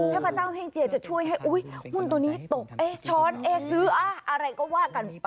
เทพเจ้าแห่งเจียจะช่วยให้หุ้นตัวนี้ตกเอ๊ะช้อนเอ๊ซื้ออะไรก็ว่ากันไป